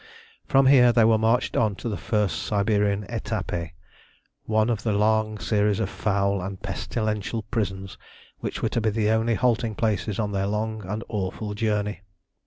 From here they were marched on to the first Siberian etapé, one of a long series of foul and pestilential prisons which were to be the only halting places on their long and awful journey.